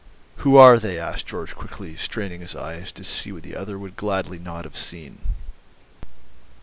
"Who are they?" asked Georg quickly, straining his eyes to see what the other would gladly not have seen.